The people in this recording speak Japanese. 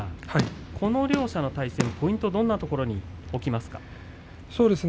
この両者の対戦ポイントはどんなところに置きますか？